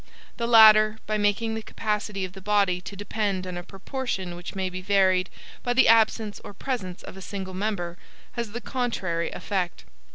The latter, by making the capacity of the body to depend on a proportion which may be varied by the absence or presence of a single member, has the contrary effect.